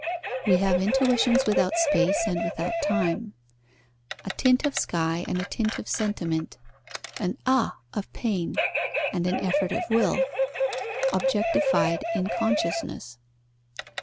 We have intuitions without space and without time: a tint of sky and a tint of sentiment, an Ah! of pain and an effort of will, objectified in consciousness.